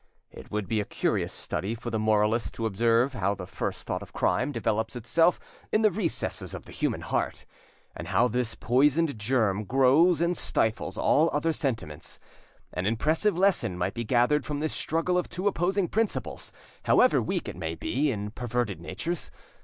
It would be a curious study for the moralist to observe how the first thought of crime develops itself in the recesses of the human heart, and how this poisoned germ grows and stifles all other sentiments; an impressive lesson might be gathered from this struggle of two opposing principles, however weak it may be, in perverted natures.